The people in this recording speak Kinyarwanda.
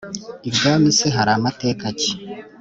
ibwami se hari mateka ki?